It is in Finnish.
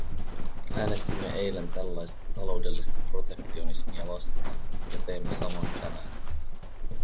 Äänestimme eilen tällaista taloudellista protektionismia vastaan, ja teemme samoin tänään.